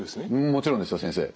もちろんですよ先生。